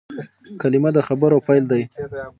کلیمه د خبرو پیل دئ.